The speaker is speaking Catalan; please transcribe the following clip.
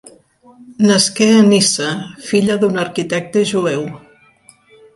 Nasqué a Niça, filla d'un arquitecte jueu.